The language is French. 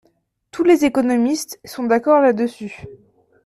Tous les économistes sont d'accord là-dessus.